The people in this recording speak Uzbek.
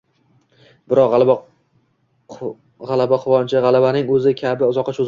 Biroq, g‘alaba quvonchi, g‘alabaning o‘zi kabi, uzoqqa cho‘zilmadi.